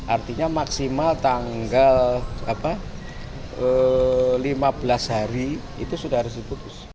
artinya maksimal tanggal lima belas hari itu sudah harus diputus